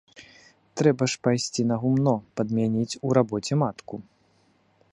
Трэба ж пайсці на гумно, падмяніць у рабоце матку.